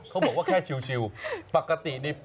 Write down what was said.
เขาบอกว่าแค่ชิวปกตินี่